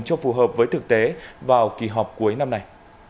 cho phù hợp với thực tế vào kỳ họp cuối năm này